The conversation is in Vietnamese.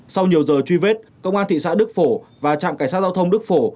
sau nhiều giờ truy vết công an thị xã đức phổ và trạm cảnh sát giao thông đức phổ